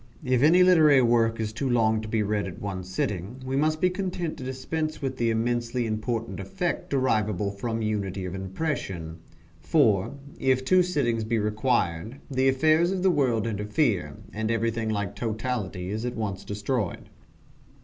If any literary work is too long to be read at one sitting, we must be content to dispense with the immensely important effect derivable from unity of impression for, if two sittings be required, the affairs of the world interfere, and everything like totality is at once destroyed.